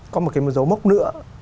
có một cái dấu mốc nữa